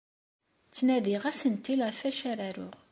Ttnadiɣ asentel ɣef wacu ara aruɣ.